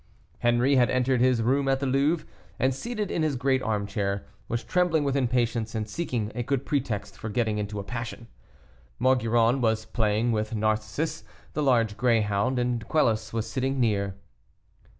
Henri had entered his room at the Louvre, and, seated in his great armchair, was trembling with impatience, and seeking a good pretext for getting into a passion. Maugiron was playing with Narcissus, the large greyhound, and Quelus was sitting near.